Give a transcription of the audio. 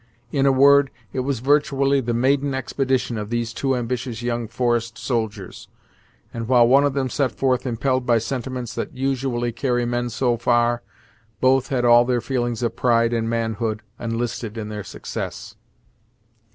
In a word, it was virtually the maiden expedition of these two ambitious young forest soldiers; and while one of them set forth impelled by sentiments that usually carry men so far, both had all their feelings of pride and manhood enlisted in their success.